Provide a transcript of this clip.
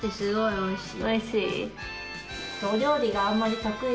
おいしい？